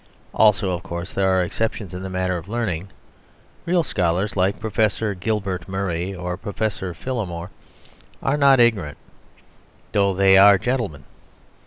Also, of course, there are exceptions in the matter of learning; real scholars like Professor Gilbert Murray or Professor Phillimore are not ignorant, though they are gentlemen.